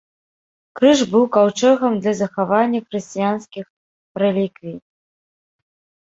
Крыж быў каўчэгам для захавання хрысціянскіх рэліквій.